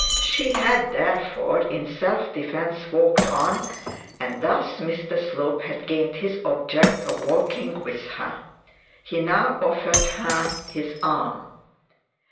She had therefore in self defence walked on, and Mr Slope had gained his object of walking with her. He now offered her his arm.